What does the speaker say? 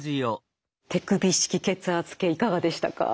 手首式血圧計いかがでしたか？